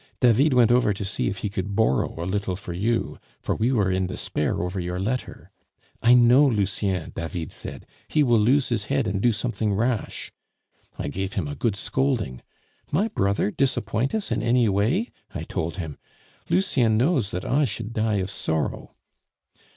David went over to see if he could borrow a little for you, for we were in despair over your letter. 'I know Lucien,' David said; 'he will lose his head and do something rash.' I gave him a good scolding. 'My brother disappoint us in any way!' I told him, 'Lucien knows that I should die of sorrow.